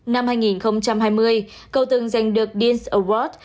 năm hai nghìn hai mươi cậu từng giành được dean s award